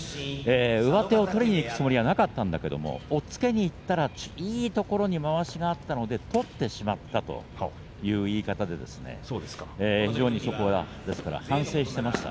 上手を取りにいくつもりはなかったんだけれども押っつけにいったらいいところにまわしがあったんで取ってしまったという言い方でした。